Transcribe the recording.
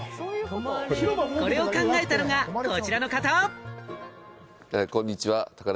これを考えたのがこちらの方。